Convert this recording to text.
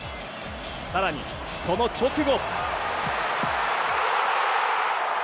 さらにその直後。